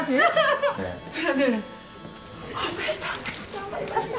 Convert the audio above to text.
頑張りました！